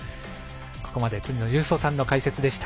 ここまで、辻野隆三さんの解説でした。